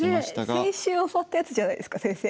これ先週教わったやつじゃないですか先生。